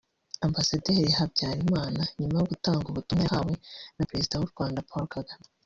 Ambasaderi Habyalimana nyuma yo gutanga ubutumwa yahawe na Perezida w’u Rwanda Paul Kagame